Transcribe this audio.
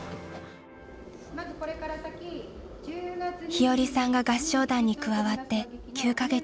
日和さんが合唱団に加わって９か月。